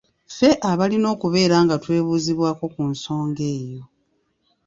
Ffe abalina okubeera nga twebuuzibwako ku nsonga eyo.